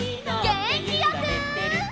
げんきよく！